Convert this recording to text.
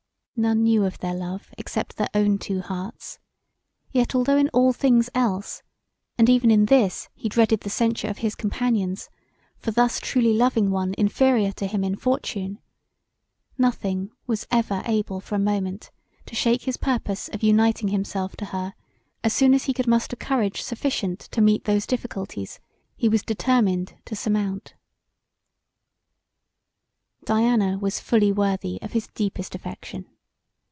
None knew of their love except their own two hearts; yet although in all things else, and even in this he dreaded the censure of his companions, for thus truly loving one inferior to him in fortune, nothing was ever able for a moment to shake his purpose of uniting himself to her as soon as he could muster courage sufficient to meet those difficulties he was determined to surmount. Diana was fully worthy of his deepest affection.